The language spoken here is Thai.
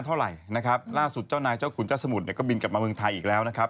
เพียบกับคุณเจ้าสมุทรกบินกลับมาอ่อนธัยอีกแล้วนะครับ